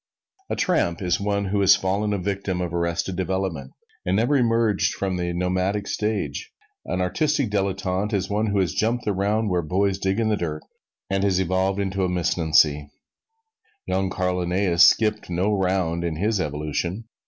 A tramp is one who has fallen a victim of arrested development and never emerged from the nomadic stage; an artistic dilettante is one who has jumped the round where boys dig in the dirt and has evolved into a missnancy. Young Carl Linnæus skipped no round in his evolution.